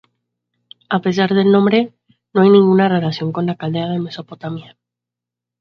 A pesar del nombre, no hay ninguna relación con la Caldea de Mesopotamia.